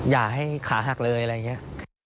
อย่าให้ขาหักเลยอะไรอย่างนี้